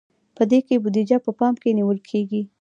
په دې کې بودیجه په پام کې نیول کیږي.